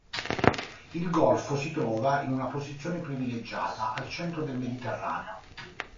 Il golfo si trova in una posizione privilegiata al centro del Mediterraneo.